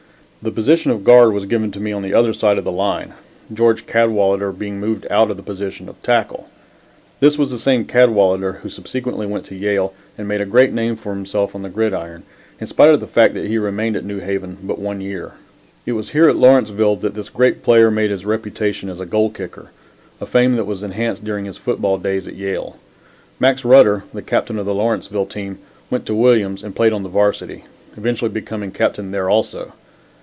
The position of guard was given to me on the other side of the line, George Cadwalader being moved out to the position of tackle. This was the same Cadwalader who subsequently went to Yale and made a great name for himself on the gridiron, in spite of the fact that he remained at New Haven but one year. It was here at Lawrenceville that this great player made his reputation as a goal kicker, a fame that was enhanced during his football days at Yale. Max Rutter, the captain of the Lawrenceville team, went to Williams and played on the Varsity, eventually becoming captain there also.